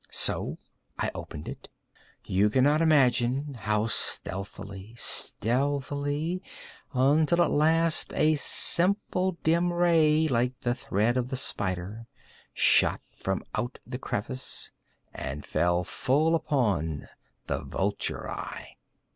So I opened it—you cannot imagine how stealthily, stealthily—until, at length a simple dim ray, like the thread of the spider, shot from out the crevice and fell full upon the vulture eye.